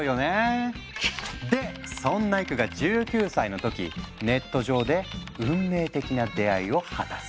でそんなエクが１９歳の時ネット上で運命的な出会いを果たす。